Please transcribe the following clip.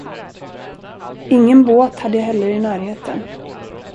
Ingen båt hade jag heller i närheten.